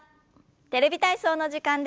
「テレビ体操」の時間です。